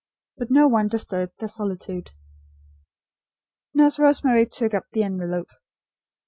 But no one disturbed their solitude. Nurse Rosemary took up the envelope.